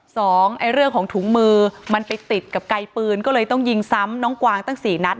ไอ้เรื่องของถุงมือมันไปติดกับไกลปืนก็เลยต้องยิงซ้ำน้องกวางตั้งสี่นัด